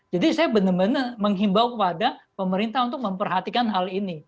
jadi saya benar benar menghimbau kepada pemerintah untuk memperhatikan hal ini